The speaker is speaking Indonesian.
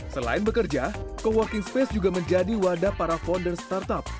selain bekerja co working space juga menjadi wadah para founder startup